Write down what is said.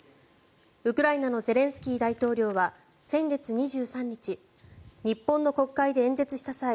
ウクライナのゼレンスキー大統領は先月２３日日本の国会で演説した際